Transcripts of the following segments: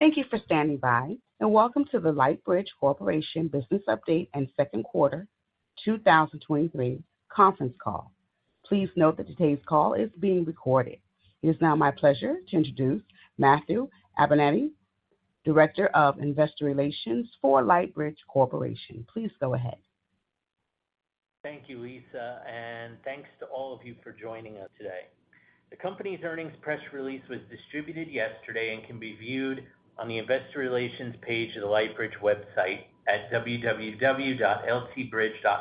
Thank you for standing by, welcome to the Lightbridge Corporation Business Update and Second Quarter 2023 conference call. Please note that today's call is being recorded. It is now my pleasure to introduce Matthew Abenante, Director of Investor Relations for Lightbridge Corporation. Please go ahead. Thank you, Lisa. Thanks to all of you for joining us today. The company's earnings press release was distributed yesterday and can be viewed on the investor relations page of the Lightbridge website at www.ltbridge.com.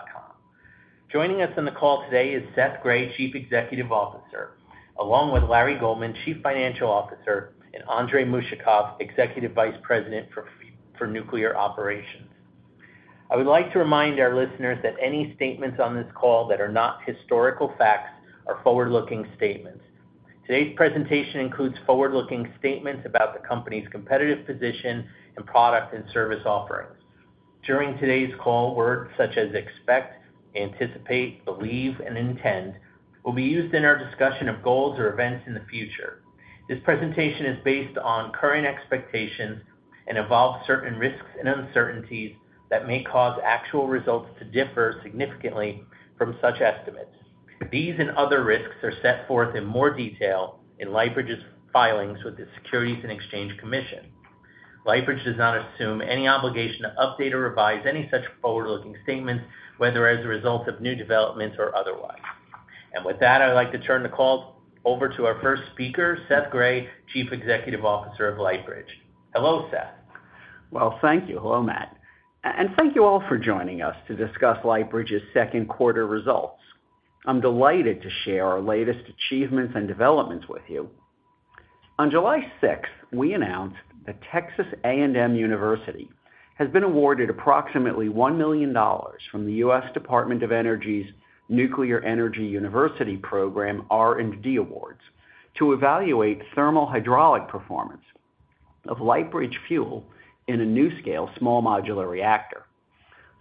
Joining us on the call today is Seth Grae, Chief Executive Officer, along with Larry Goldman, Chief Financial Officer, and Andrey Mushakov, Executive Vice President for Nuclear Operations. I would like to remind our listeners that any statements on this call that are not historical facts are forward-looking statements. Today's presentation includes forward-looking statements about the company's competitive position and product and service offerings. During today's call, words such as expect, anticipate, believe, and intend will be used in our discussion of goals or events in the future. This presentation is based on current expectations and involves certain risks and uncertainties that may cause actual results to differ significantly from such estimates. These and other risks are set forth in more detail in Lightbridge's filings with the Securities and Exchange Commission. Lightbridge does not assume any obligation to update or revise any such forward-looking statements, whether as a result of new developments or otherwise. With that, I'd like to turn the call over to our first speaker, Seth Grae, Chief Executive Officer of Lightbridge. Hello, Seth. Well, thank you. Hello, Matt. Thank you all for joining us to discuss Lightbridge's second quarter results. I'm delighted to share our latest achievements and developments with you. On 6th July, we announced that Texas A&M University has been awarded approximately $1 million from the U.S. Department of Energy's Nuclear Energy University Program R&D Awards to evaluate thermal hydraulic performance of Lightbridge Fuel in a NuScale small modular reactor.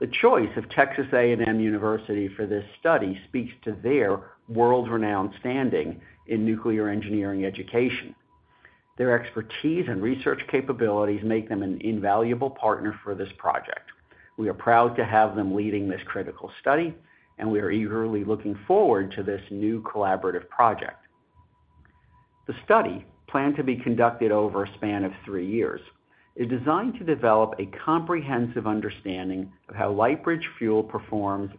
The choice of Texas A&M University for this study speaks to their world-renowned standing in nuclear engineering education. Their expertise and research capabilities make them an invaluable partner for this project. We are proud to have them leading this critical study. We are eagerly looking forward to this new collaborative project. The study, planned to be conducted over a span of three years, is designed to develop a comprehensive understanding of how Lightbridge Fuel performs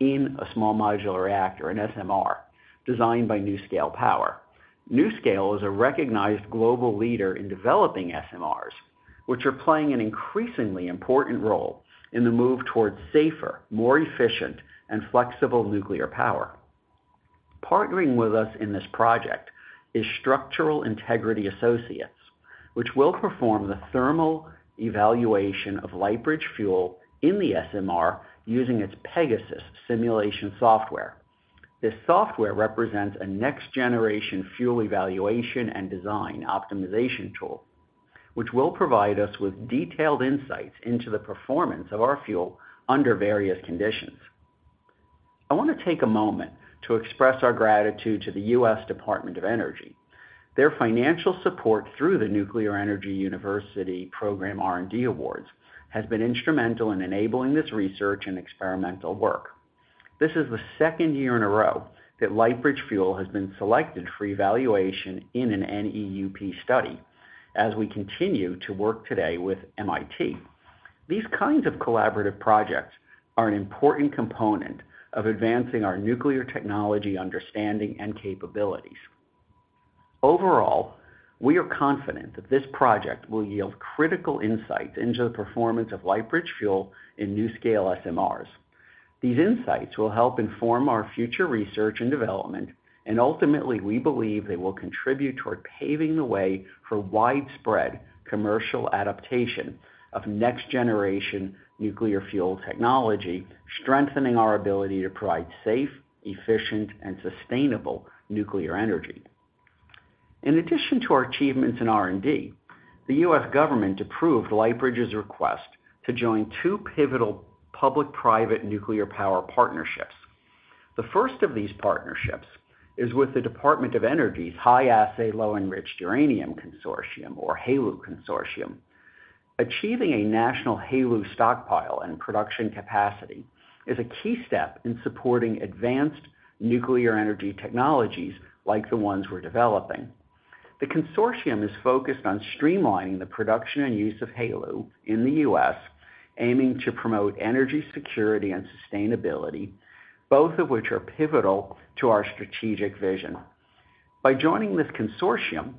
in a small modular reactor, an SMR, designed by NuScale Power. NuScale is a recognized global leader in developing SMRs, which are playing an increasingly important role in the move towards safer, more efficient, and flexible nuclear power. Partnering with us in this project is Structural Integrity Associates, which will perform the thermal evaluation of Lightbridge Fuel in the SMR using its PEGASUS simulation software. This software represents a next-generation fuel evaluation and design optimization tool, which will provide us with detailed insights into the performance of our fuel under various conditions. I want to take a moment to express our gratitude to the U.S. Department of Energy, Their financial support through the Nuclear Energy University Program R&D Awards has been instrumental in enabling this research and experimental work. This is the second year in a row that Lightbridge Fuel has been selected for evaluation in an NEUP study as we continue to work today with MIT. These kinds of collaborative projects are an important component of advancing our nuclear technology, understanding, and capabilities. Overall, we are confident that this project will yield critical insights into the performance of Lightbridge Fuel in NuScale SMRs. These insights will help inform our future research and development, and ultimately, we believe they will contribute toward paving the way for widespread commercial adaptation of next-generation nuclear fuel technology, strengthening our ability to provide safe, efficient, and sustainable nuclear energy. In addition to our achievements in R&D, the U.S. government approved Lightbridge's request to join two pivotal public-private nuclear power partnerships. The first of these partnerships is with the Department of Energy's High-Assay Low-Enriched Uranium Consortium, or HALEU Consortium. Achieving a national HALEU stockpile and production capacity is a key step in supporting advanced nuclear energy technologies like the ones we're developing. The consortium is focused on streamlining the production and use of HALEU in the U.S., aiming to promote energy security and sustainability, both of which are pivotal to our strategic vision. By joining this consortium,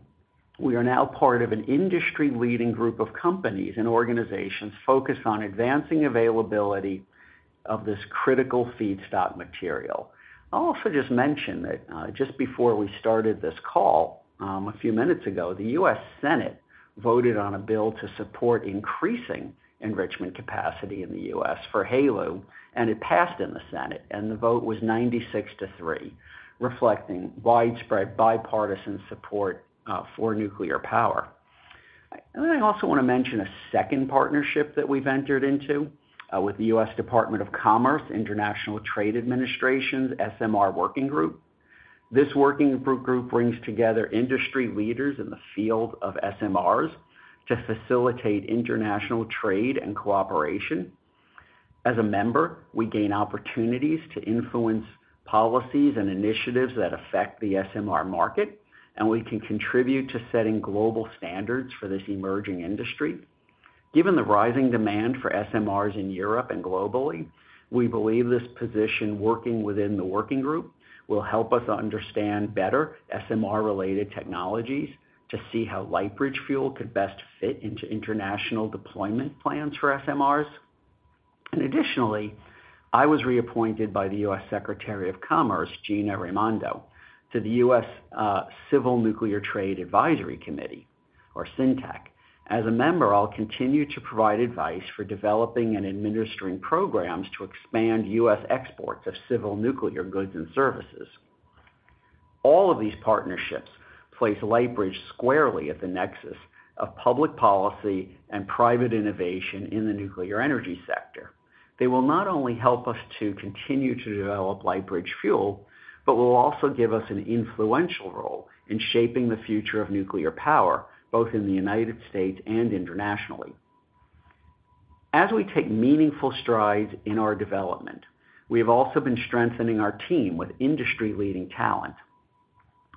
we are now part of an industry-leading group of companies and organizations focused on advancing availability of this critical feedstock material. I'll also just mention that, just before we started this call, a few minutes ago, the U.S. Senate voted on a bill to support increasing enrichment capacity in the U.S. for HALEU, and it passed in the Senate, and the vote was 96 to three, reflecting widespread bipartisan support for nuclear power. I also want to mention a second partnership that we've entered into with the U.S. Department of Commerce, International Trade Administration's SMR Working Group. This working group brings together industry leaders in the field of SMRs to facilitate international trade and cooperation. As a member, we gain opportunities to influence policies and initiatives that affect the SMR market, and we can contribute to setting global standards for this emerging industry. Given the rising demand for SMRs in Europe and globally, we believe this position, working within the working group, will help us to understand better SMR-related technologies, to see how Lightbridge Fuel could best fit into international deployment plans for SMRs. Additionally, I was reappointed by the U.S. Secretary of Commerce, Gina Raimondo, to the U.S. Civil Nuclear Trade Advisory Committee, or CINTAC. As a member, I'll continue to provide advice for developing and administering programs to expand U.S. exports of civil nuclear goods and services. All of these partnerships place Lightbridge squarely at the nexus of public policy and private innovation in the nuclear energy sector. They will not only help us to continue to develop Lightbridge Fuel, but will also give us an influential role in shaping the future of nuclear power, both in the United States and internationally. As we take meaningful strides in our development, we have also been strengthening our team with industry-leading talent.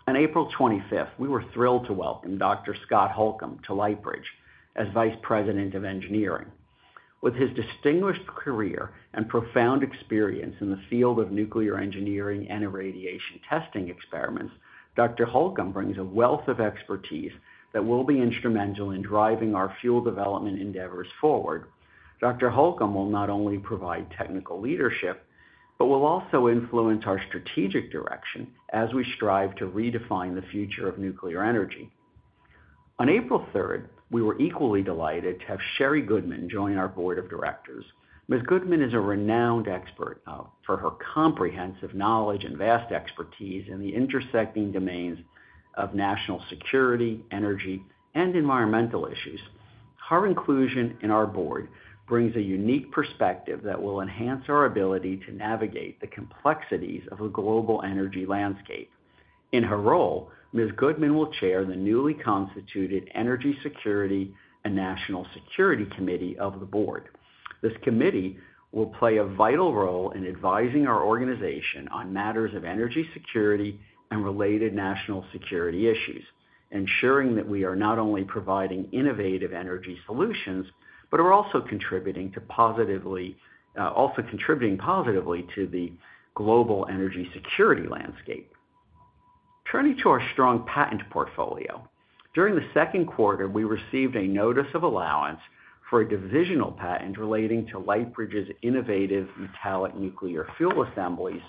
On April 25th, we were thrilled to welcome Dr. Scott Holcomb to Lightbridge as Vice President of Engineering. With his distinguished career and profound experience in the field of nuclear engineering and irradiation testing experiments, Dr. Holcomb brings a wealth of expertise that will be instrumental in driving our fuel development endeavors forward. Dr. Holcomb will not only provide technical leadership, but will also influence our strategic direction as we strive to redefine the future of nuclear energy. On April 3rd, we were equally delighted to have Sherri Goodman join our Board of Directors. Ms. Goodman is a renowned expert for her comprehensive knowledge and vast expertise in the intersecting domains of national security, energy, and environmental issues. Her inclusion in our board brings a unique perspective that will enhance our ability to navigate the complexities of a global energy landscape. In her role, Ms. Goodman will chair the newly constituted Energy Security and National Security Committee of the board. This committee will play a vital role in advising our organization on matters of energy security and related national security issues, ensuring that we are not only providing innovative energy solutions, but are also contributing positively to the global energy security landscape. Turning to our strong patent portfolio. During the second quarter, we received a notice of allowance for a divisional patent relating to Lightbridge's innovative metallic nuclear fuel assemblies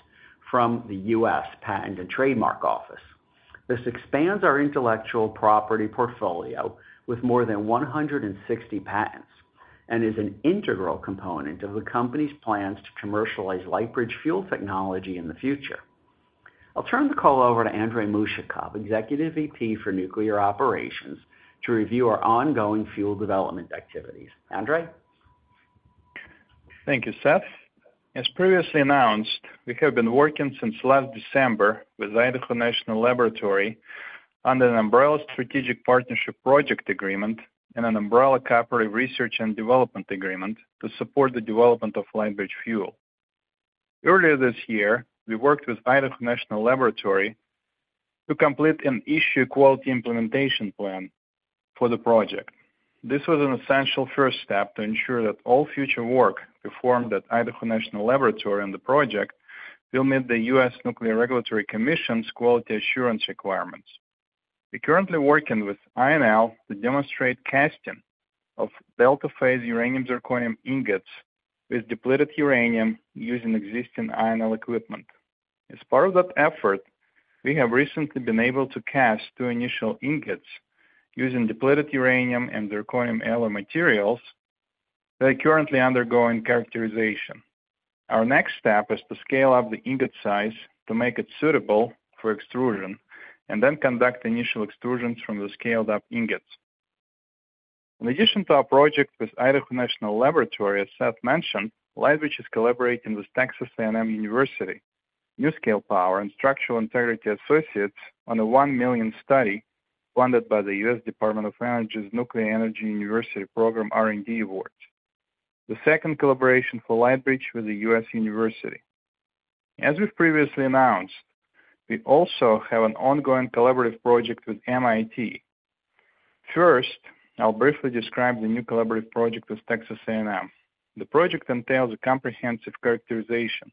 from the US Patent and Trademark Office. This expands our intellectual property portfolio with more than 160 patents, and is an integral component of the company's plans to commercialize Lightbridge Fuel technology in the future. I'll turn the call over to Andrey Mushakov, Executive Vice President for Nuclear Operations, to review our ongoing fuel development activities. Andrey? Thank you, Seth. As previously announced, we have been working since last December with Idaho National Laboratory under an umbrella Strategic Partnership Project Agreement and an umbrella Cooperative Research and Development Agreement to support the development of Lightbridge Fuel. Earlier this year, we worked with Idaho National Laboratory to complete an issue quality implementation plan for the project. This was an essential first step to ensure that all future work performed at Idaho National Laboratory on the project will meet the U.S. Nuclear Regulatory Commission's quality assurance requirements. We're currently working with INL to demonstrate casting of delta phase uranium zirconium ingots with depleted uranium using existing INL equipment. As part of that effort, we have recently been able to cast two initial ingots using depleted uranium and zirconium alloy materials. They are currently undergoing characterization. Our next step is to scale up the ingot size to make it suitable for extrusion, and then conduct initial extrusions from the scaled-up ingots. In addition to our project with Idaho National Laboratory, as Seth mentioned, Lightbridge is collaborating with Texas A&M University, NuScale Power, and Structural Integrity Associates on a $1 million study funded by the U.S. Department of Energy's Nuclear Energy University Program R&D award, the second collaboration for Lightbridge with a U.S. university. As we've previously announced, we also have an ongoing collaborative project with MIT. First, I'll briefly describe the new collaborative project with Texas A&M. The project entails a comprehensive characterization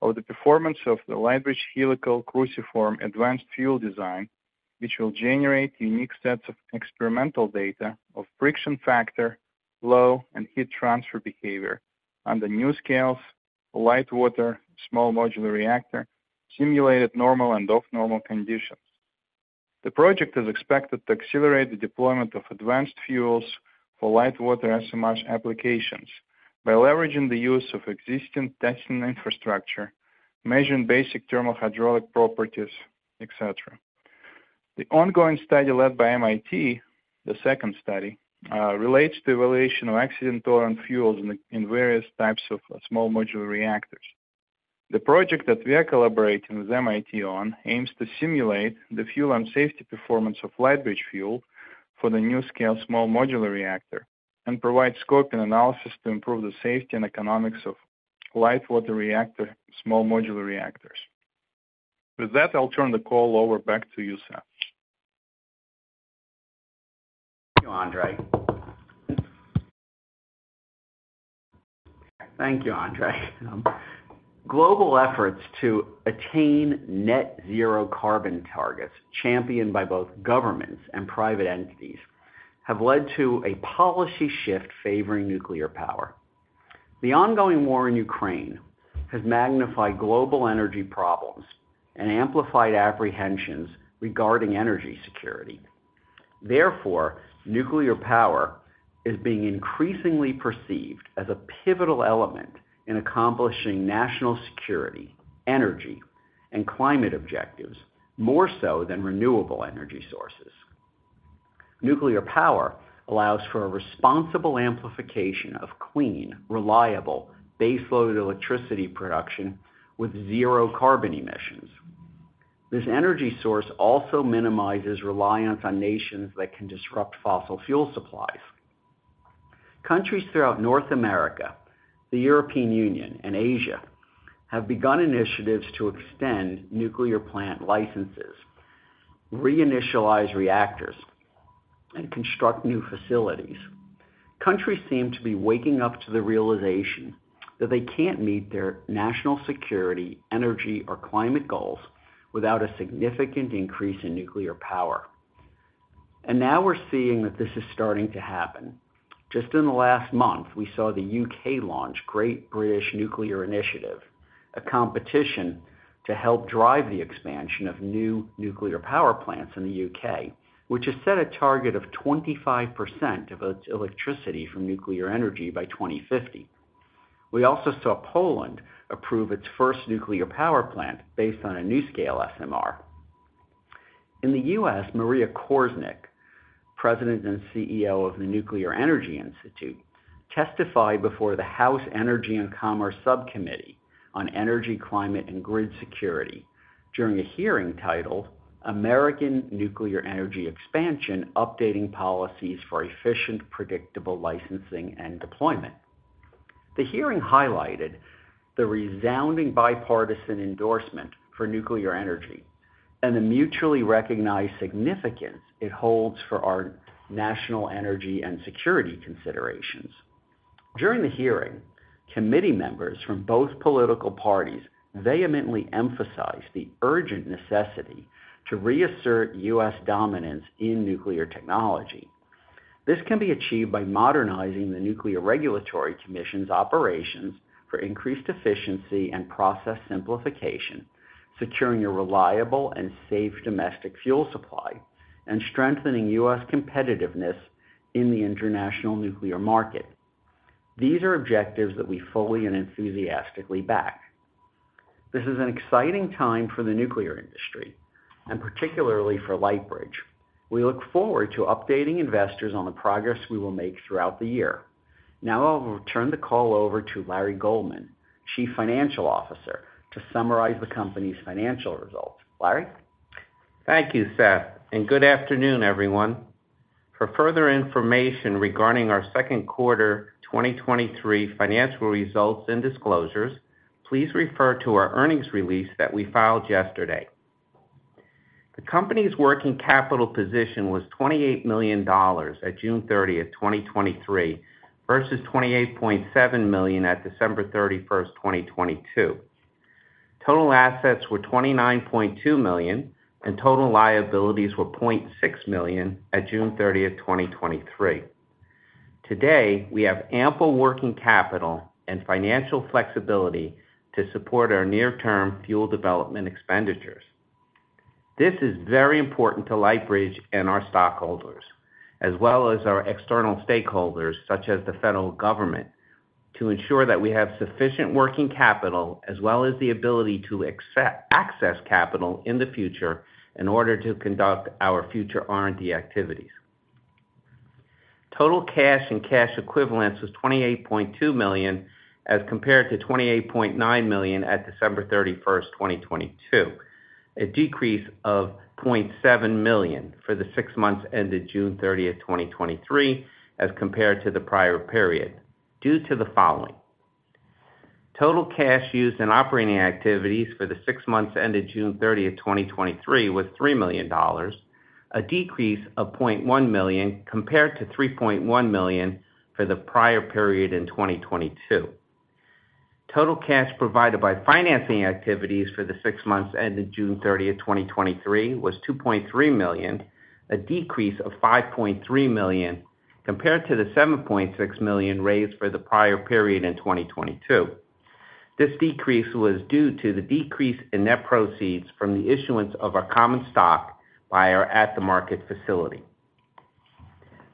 of the performance of the Lightbridge helical cruciform advanced fuel design, which will generate unique sets of experimental data of friction factor, flow, and heat transfer behavior on the NuScale's light water small modular reactor, simulated normal and off-normal conditions. The project is expected to accelerate the deployment of advanced fuels for light water SMRs applications by leveraging the use of existing testing infrastructure, measuring basic thermal hydraulic properties, et cetera... The ongoing study led by MIT, the second study, relates to evaluation of accident-tolerant fuels in the, in various types of small modular reactors. The project that we are collaborating with MIT on aims to simulate the fuel and safety performance of Lightbridge Fuel for the NuScale SMR, and provide scope and analysis to improve the safety and economics of light water reactor, small modular reactors. With that, I'll turn the call over back to you, Seth. Thank you, Andrey. Thank you, Andrey. Global efforts to attain net zero carbon targets, championed by both governments and private entities, have led to a policy shift favoring nuclear power. The ongoing war in Ukraine has magnified global energy problems and amplified apprehensions regarding energy security. Nuclear power is being increasingly perceived as a pivotal element in accomplishing national security, energy, and climate objectives, more so than renewable energy sources. Nuclear power allows for a responsible amplification of clean, reliable, base load electricity production with zero carbon emissions. This energy source also minimizes reliance on nations that can disrupt fossil fuel supplies. Countries throughout North America, the European Union, and Asia, have begun initiatives to extend nuclear plant licenses, reinitialize reactors, and construct new facilities. Countries seem to be waking up to the realization that they can't meet their national security, energy, or climate goals without a significant increase in nuclear power. Now we're seeing that this is starting to happen. Just in the last month, we saw the UK launch Great British Nuclear Initiative, a competition to help drive the expansion of new nuclear power plants in the UK, which has set a target of 25% of its electricity from nuclear energy by 2050. We also saw Poland approve its first nuclear power plant based on a NuScale SMR. In the U.S., Maria Korsnick, President and CEO of the Nuclear Energy Institute, testified before the House Energy and Commerce Subcommittee on Energy, Climate and Grid Security during a hearing titled American Nuclear Energy Expansion: Updating Policies for Efficient, Predictable Licensing and Deployment. The hearing highlighted the resounding bipartisan endorsement for nuclear energy and the mutually recognized significance it holds for our national energy and security considerations. During the hearing, committee members from both political parties vehemently emphasized the urgent necessity to reassert U.S. dominance in nuclear technology. This can be achieved by modernizing the Nuclear Regulatory Commission's operations for increased efficiency and process simplification, securing a reliable and safe domestic fuel supply, and strengthening U.S. competitiveness in the international nuclear market. These are objectives that we fully and enthusiastically back. This is an exciting time for the nuclear industry, and particularly for Lightbridge. We look forward to updating investors on the progress we will make throughout the year. Now, I'll turn the call over to Larry Goldman, Chief Financial Officer, to summarize the company's financial results. Larry? Thank you, Seth. Good afternoon, everyone. For further information regarding our second quarter 2023 financial results and disclosures, please refer to our earnings release that we filed yesterday. The company's working capital position was $28 million at June 30th, 2023, versus $28.7 million at December 31st, 2022. Total assets were $29.2 million, and total liabilities were $0.6 million at June 30th, 2023. Today, we have ample working capital and financial flexibility to support our near-term fuel development expenditures. This is very important to Lightbridge and our stockholders, as well as our external stakeholders, such as the federal government, to ensure that we have sufficient working capital, as well as the ability to access capital in the future in order to conduct our future R&D activities. Total cash and cash equivalents was $28.2 million, as compared to $28.9 million at December 31st, 2022, a decrease of $0.7 million for the six months ended June 30th, 2023, as compared to the prior period, due to the following: Total cash used in operating activities for the six months ended June 30th, 2023, was $3 million, a decrease of $0.1 million, compared to $3.1 million for the prior period in 2022. Total cash provided by financing activities for the six months ended June 30, 2023, was $2.3 million, a decrease of $5.3 million, compared to the $7.6 million raised for the prior period in 2022. This decrease was due to the decrease in net proceeds from the issuance of our common stock by our at-the-market facility....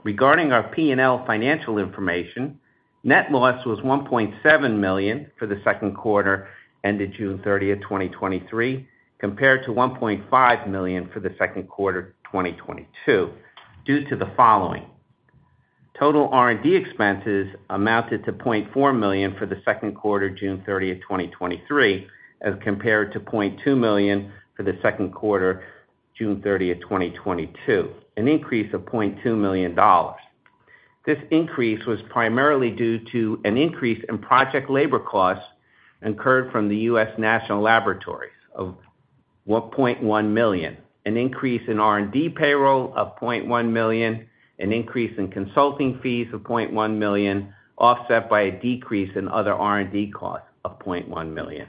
Regarding our P&L financial information, net loss was $1.7 million for the second quarter ended June 30th, 2023, compared to $1.5 million for the second quarter, 2022, due to the following: Total R&D expenses amounted to $0.4 million for the second quarter, June 30th, 2023, as compared to $0.2 million for the second quarter, June 30th, 2022, an increase of $0.2 million. This increase was primarily due to an increase in project labor costs incurred from the U.S. National Laboratories of $1.1 million, an increase in R&D payroll of $0.1 million, an increase in consulting fees of $0.1 million, offset by a decrease in other R&D costs of $0.1 million.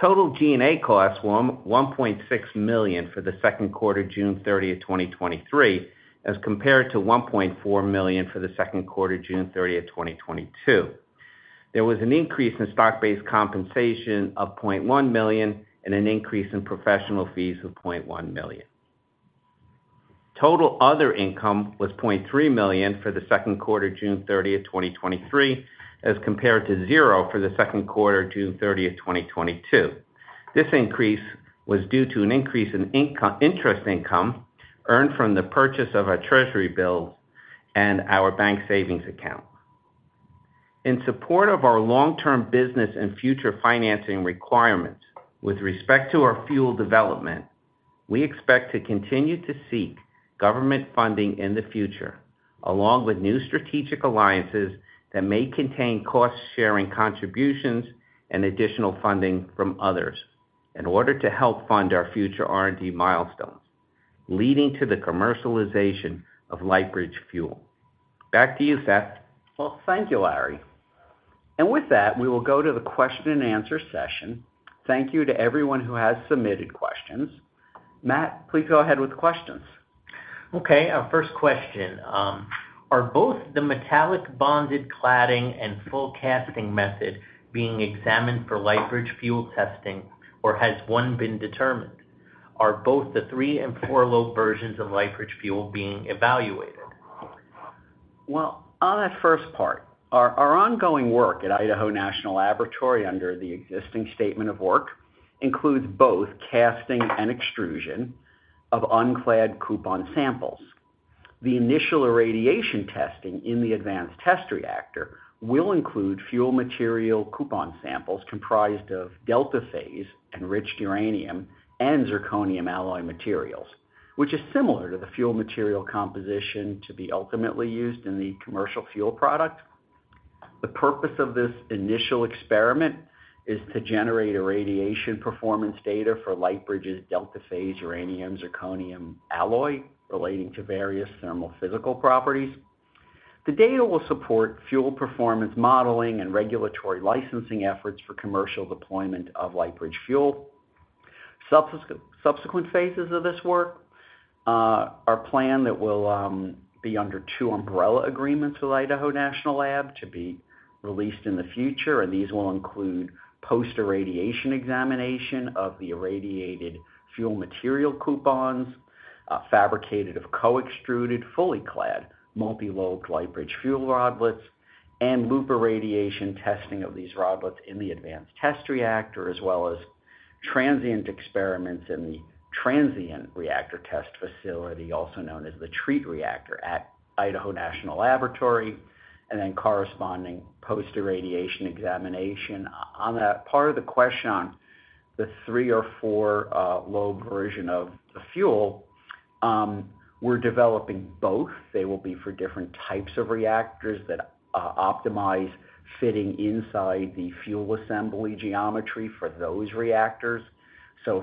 Total G&A costs were $1.6 million for the second quarter, June 30th, 2023, as compared to $1.4 million for the second quarter, June 30th, 2022. There was an increase in stock-based compensation of $0.1 million and an increase in professional fees of $0.1 million. Total other income was $0.3 million for the second quarter, June 30th, 2023, as compared to zero for the second quarter, June 30th, 2022. This increase was due to an increase in interest income earned from the purchase of our treasury bills and our bank savings account. In support of our long-term business and future financing requirements with respect to our fuel development, we expect to continue to seek government funding in the future, along with new strategic alliances that may contain cost-sharing contributions and additional funding from others in order to help fund our future R&D milestones, leading to the commercialization of Lightbridge Fuel. Back to you, Seth. Well, thank you, Larry. With that, we will go to the question and answer session. Thank you to everyone who has submitted questions. Matt, please go ahead with the questions. Our first question, are both the metallic bonded cladding and full casting method being examined for Lightbridge Fuel testing, or has one been determined? Are both the three and four lobe versions of Lightbridge Fuel being evaluated? Well, on that first part, our ongoing work at Idaho National Laboratory under the existing statement of work includes both casting and extrusion of unclad coupon samples. The initial irradiation testing in the Advanced Test Reactor will include fuel material coupon samples comprised of delta phase, enriched uranium, and zirconium alloy materials, which is similar to the fuel material composition to be ultimately used in the commercial fuel product. The purpose of this initial experiment is to generate irradiation performance data for Lightbridge's delta phase uranium zirconium alloy relating to various thermal physical properties. The data will support fuel performance modeling and regulatory licensing efforts for commercial deployment of Lightbridge Fuel. Subsequent phases of this work are planned that will be under two umbrella agreements with Idaho National Laboratory to be released in the future, and these will include post-irradiation examination of the irradiated fuel material coupons fabricated of co-extruded, fully clad, multi-lobe Lightbridge Fuel rodlets, and loop irradiation testing of these rodlets in the Advanced Test Reactor, as well as transient experiments in the Transient Reactor Test Facility, also known as the TREAT reactor at Idaho National Laboratory. Corresponding post-irradiation examination. On that part of the question on the three or four lobe version of the fuel, we're developing both. They will be for different types of reactors that optimize fitting inside the fuel assembly geometry for those reactors.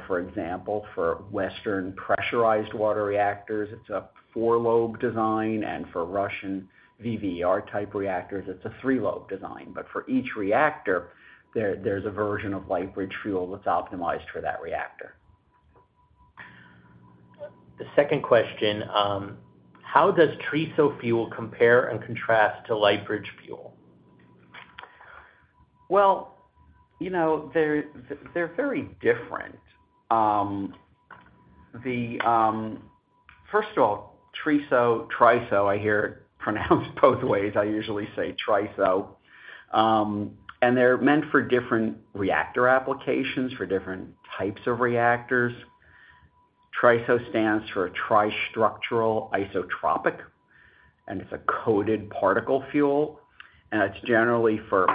For example, for Western pressurized water reactors, it's a four-lobe design, and for Russian VVER-type reactors, it's a three-lobe design. For each reactor, there's a version of Lightbridge Fuel that's optimized for that reactor. The second question, how does TRISO fuel compare and contrast to Lightbridge Fuel? You know, they're, they're very different. First of all, TRISO, I hear it pronounced both ways. I usually say TRISO. They're meant for different reactor applications, for different types of reactors. TRISO stands for TRi-structural ISOtropic, and it's a coated particle fuel, and it's generally for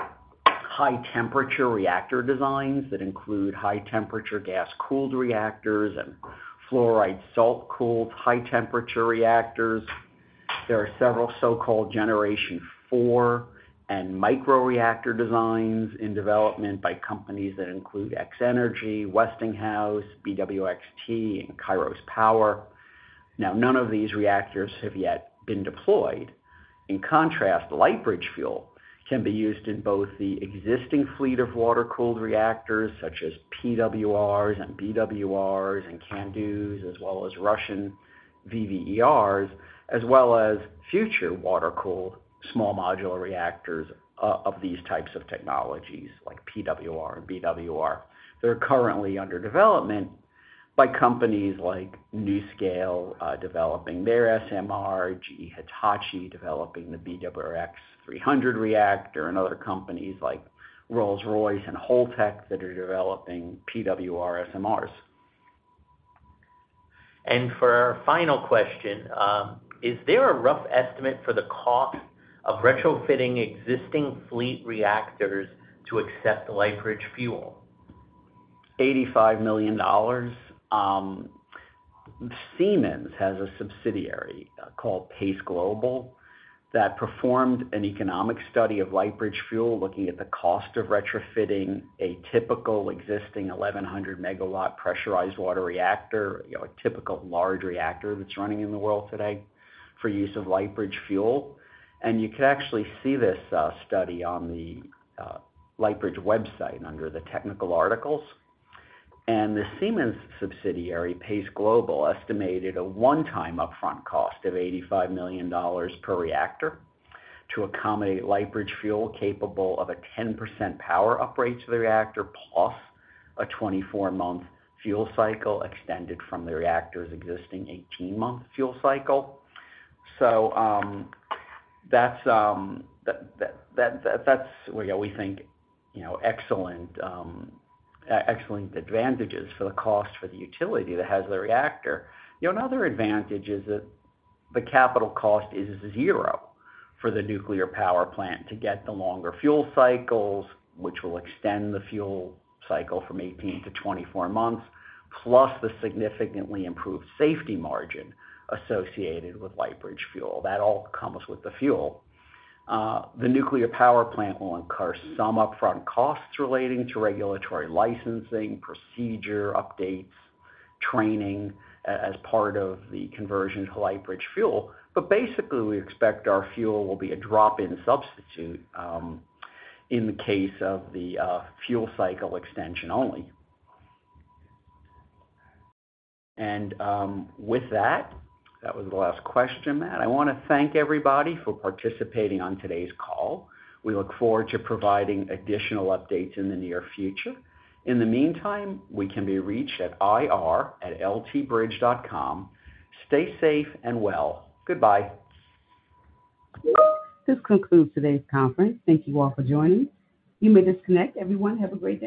high temperature reactor designs that include high temperature gas-cooled reactors and fluoride salt-cooled, high temperature reactors. There are several so-called Generation IV and microreactor designs in development by companies that include X-energy, Westinghouse, BWXT, and Kairos Power. None of these reactors have yet been deployed. In contrast, Lightbridge Fuel can be used in both the existing fleet of water-cooled reactors, such as PWRs and BWRs and CANDUs, as well as Russian VVERs, as well as future water-cooled small modular reactors, of these types of technologies, like PWR and BWR. They're currently under development by companies like NuScale, developing their SMR, GE Hitachi, developing the BWRX-300 reactor, and other companies like Rolls-Royce and Holtec that are developing PWR SMRs. For our final question, is there a rough estimate for the cost of retrofitting existing fleet reactors to accept the Lightbridge Fuel? $85 million. Siemens has a subsidiary called Pace Global that performed an economic study of Lightbridge Fuel, looking at the cost of retrofitting a typical existing 1,100 megawatt pressurized water reactor, you know, a typical large reactor that's running in the world today, for use of Lightbridge Fuel. You can actually see this study on the Lightbridge website under the technical articles. The Siemens subsidiary, Pace Global, estimated a one-time upfront cost of $85 million per reactor to accommodate Lightbridge Fuel capable of a 10% power upgrade to the reactor, plus a 24-month fuel cycle extended from the reactor's existing 18-month fuel cycle. That's where we think, you know, excellent, excellent advantages for the cost for the utility that has the reactor. You know, another advantage is that the capital cost is zero for the nuclear power plant to get the longer fuel cycles, which will extend the fuel cycle from 18 to 24 months, plus the significantly improved safety margin associated with Lightbridge Fuel. That all comes with the fuel. The nuclear power plant will incur some upfront costs relating to regulatory licensing, procedure updates, training, as part of the conversion to Lightbridge Fuel. Basically, we expect our fuel will be a drop-in substitute, in the case of the fuel cycle extension only. With that, that was the last question, Matt. I want to thank everybody for participating on today's call. We look forward to providing additional updates in the near future. In the meantime, we can be reached at ir@ltbridge.com. Stay safe and well. Goodbye. This concludes today's conference. Thank you all for joining. You may disconnect everyone. Have a great day.